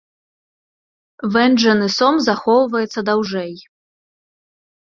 Вэнджаны сом захоўваецца даўжэй.